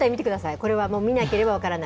これはもう、見なければ分からない。